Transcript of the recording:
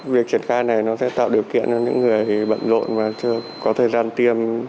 việc triển khai này nó sẽ tạo điều kiện cho những người bận rộn và chưa có thời gian tiêm